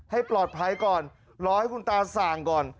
ให้ปลอดภัยก่อนรอให้คุณตาสั่งก่อน